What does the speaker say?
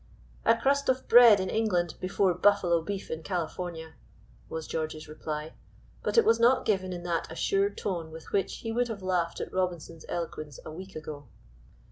"A crust of bread in England before buffalo beef in California," was George's reply; but it was not given in that assured tone with which he would have laughed at Robinson's eloquence a week ago.